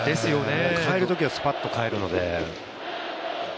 変えるときはスパッと変えるので。